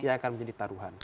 yang akan menjadi taruhan